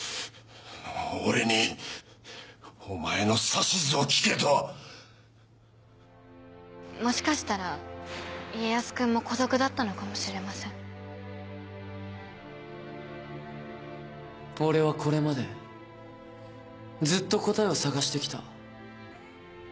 俺にお前の指図を聞けと⁉もしかしたら家康君も孤独だったのかもしれません俺はこれまでずっと答えを探して来た。